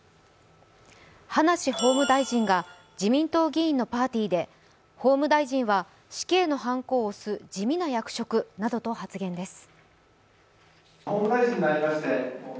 葉梨法務大臣が自民党議員のパーティーで「法務大臣は死刑のはんこを押す地味な役職」などと発言です。